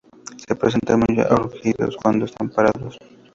Se presentan muy erguidos cuando están parados.